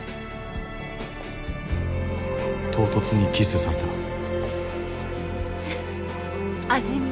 唐突にキスされた味見。